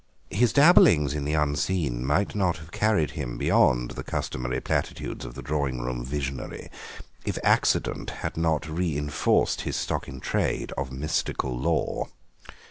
His dabblings in the unseen might not have carried him beyond the customary platitudes of the drawing room visionary if accident had not reinforced his stock in trade of mystical lore.